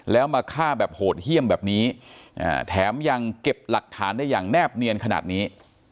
แล้วมาฆ่าแบบโหดเยี่ยมแบบนี้แถมยังเก็บหลักฐานได้อย่างแนบเนียนขนาดนี้